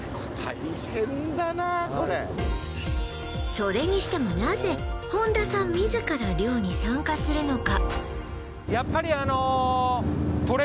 それにしてもなぜ本田さん自ら漁に参加するのか？